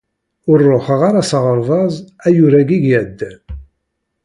Ur ruḥeɣ ara s aɣerbaz ayyur-ayi iɛeddan.